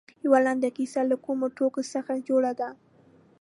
یوه لنډه کیسه له کومو توکو څخه جوړه ده.